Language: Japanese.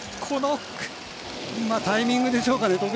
タイミングでしょうかね。